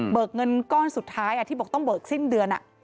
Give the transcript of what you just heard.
เงินก้อนสุดท้ายที่บอกต้องเบิกสิ้นเดือน